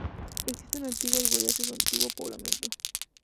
Existen antiguas huellas de su antiguo poblamiento.